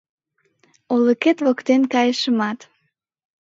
Олыкет воктен кайышымат.